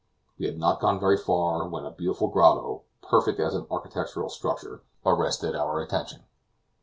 We had not gone very far when a beautiful grotto, perfect as an architectural structure, arrested our attention.